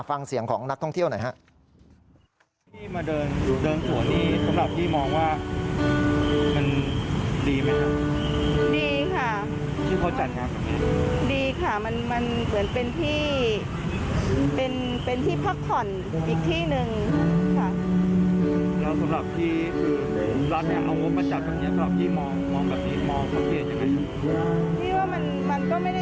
ฟังเสียงของนักท่องเที่ยวหน่อยครับ